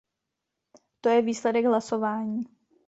To je výsledek hlasování.